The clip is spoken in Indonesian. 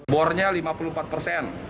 bornya lima puluh empat persen